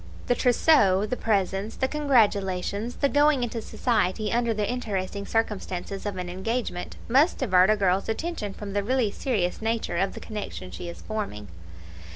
The TROUSSEAU, the presents, the congratulations, the going into society under the interesting circumstances of an engagement, must divert a girl's attention from the really serious nature of the connection she is forming.